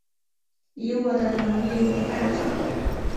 以我的能力没办法